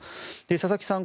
佐々木さん